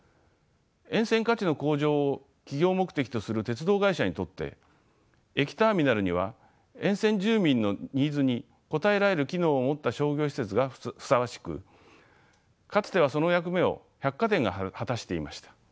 沿線価値の向上を企業目的とする鉄道会社にとって駅ターミナルには沿線住民のニーズに応えられる機能を持った商業施設がふさわしくかつてはその役目を百貨店が果たしていました。